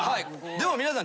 でも皆さん。